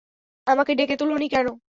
আমাকে ডেকে তুলোনি কেন?